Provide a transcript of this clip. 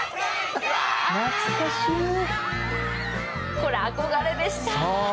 これ憧れでした。